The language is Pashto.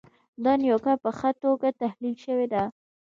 دا نیوکه په ښه توګه تحلیل شوې ده.